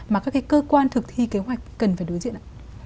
mà các cái cơ quan thực thi kế hoạch cần phải đối diện ạ